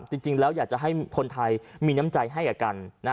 จริงแล้วอยากจะให้คนไทยมีน้ำใจให้กับกัน